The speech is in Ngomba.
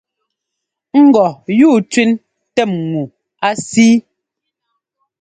Ŋgɔ yúu tẅín tɛ́m ŋu á síi.